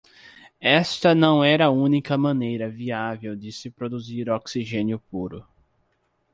Esta não era a única maneira viável de se produzir oxigênio puro.